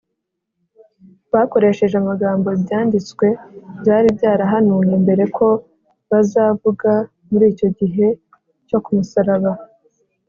bakoresheje amagambo ibyanditswe byari byarahanuye mbere ko bazavuga muri icyo gihe cyo ku musaraba